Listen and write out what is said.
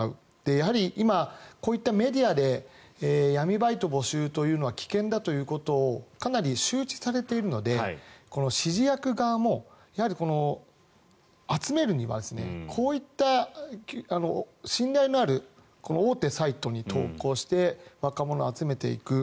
やはり今、こういったメディアで闇バイト募集というのは危険だということをかなり周知されているので指示役側も、やはり集めるにはこういった信頼のある大手サイトに投稿して若者を集めていく。